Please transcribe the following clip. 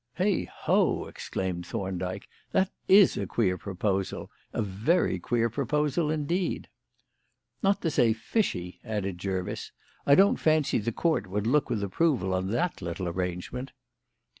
"Hey ho!" exclaimed Thorndyke; "that is a queer proposal; a very queer proposal indeed." "Not to say fishy," added Jervis. "I don't fancy the Court would look with approval on that little arrangement."